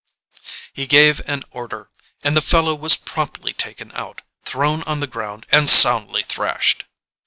He gave an order and the fellow was promptly taken out, thrown on the ground, and soundly thrashed.